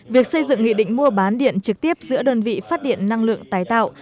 việc xây dựng nghị định mua bán điện trực tiếp giữa đơn vị phát điện năng lượng tái tạo